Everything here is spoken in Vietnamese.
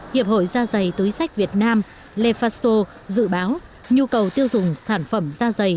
hiệp hội da giày túi sách việt nam dự báo nhu cầu tiêu dùng sản phẩm da giày